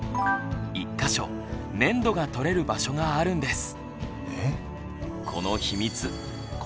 １か所粘土が採れる場所があるんです。